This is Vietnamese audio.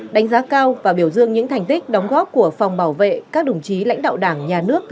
đánh giá cao và biểu dương những thành tích đóng góp của phòng bảo vệ các đồng chí lãnh đạo đảng nhà nước